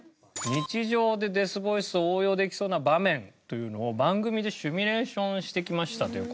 日常でデスボイスを応用できそうな場面というのを番組でシミュレーションしてきましたという。